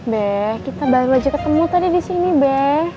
be kita baru aja ketemu tadi di sini be